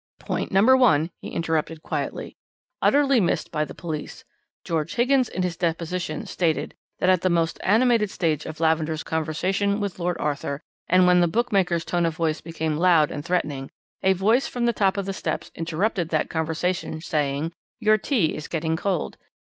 "Point number one," he interrupted quietly, "utterly missed by the police. George Higgins in his deposition stated that at the most animated stage of Lavender's conversation with Lord Arthur, and when the bookmaker's tone of voice became loud and threatening, a voice from the top of the steps interrupted that conversation, saying: 'Your tea is getting cold.'"